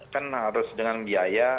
kan harus dengan biaya